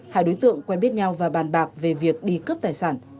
hai đối tượng quen biết nhau và bàn bạc về việc đi cướp tài sản